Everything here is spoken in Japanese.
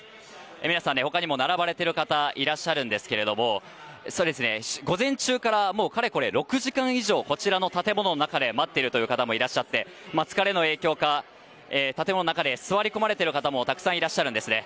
皆さん、他にも並ばれている方いらっしゃるんですけども午前中から、かれこれ６時間以上こちらの建物の中で待っている方もいらっしゃって疲れの影響か建物の中で座り込まれてる方もたくさんいらっしゃるんですね。